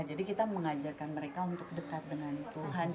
jadi kita mengajarkan mereka untuk dekat dengan tuhan